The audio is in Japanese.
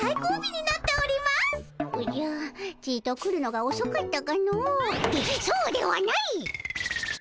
おじゃちと来るのがおそかったかの。ってそうではないっ！